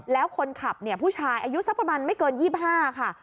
แล้วคนขับเนี่ยผู้ชายอายุสักประมาณไม่เกิน๒๕ค่ะ